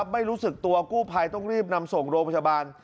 ไม่รู้ตัวกลวบภัยต้องนำส่งโรคประชาบาล